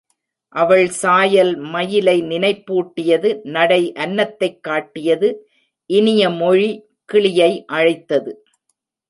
அவள் சாயல் மயிலை நினைப்பூட்டியது நடை அன்னத்தைக் காட்டியது இனிய மொழி கிளியை அழைத்தது.